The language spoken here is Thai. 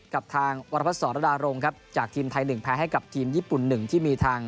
กับทางวรพัศรดารงครับจากทีมไทย๑แพ้ให้กับทีมญี่ปุ่น๑ที่มีทาง